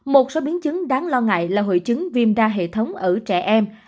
một số biến chứng đáng lo ngại là hội chứng viêm da hệ thống ở trẻ em